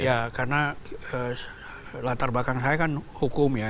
ya karena latar belakang saya kan hukum ya